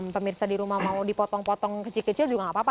pemirsa di rumah mau dipotong potong kecil kecil juga nggak apa apa